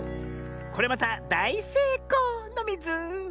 これまただいせいこうのミズ！